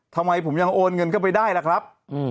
ทำไมผมยังโอนเงินเข้าไปได้ล่ะครับ